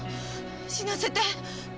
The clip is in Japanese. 死なせて！